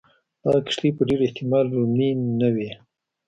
دا کښتۍ په ډېر احتمال رومي نه وې.